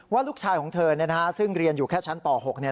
ว่าลูกชายของเธอซึ่งเรียนอยู่แค่ชั้นป๖